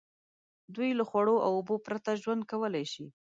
دوی له خوړو او اوبو پرته ژوند کولای شي.